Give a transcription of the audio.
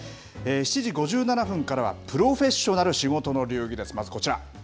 ７時５７分からはプロフェッショナル仕事の流儀です。